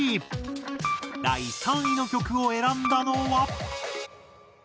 第３位の曲を選んだのは。